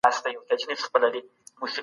د ماشومانو سره لوبي کول ذهن تازه کوي.